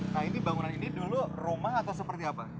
nah ini bangunan ini dulu rumah atau seperti apa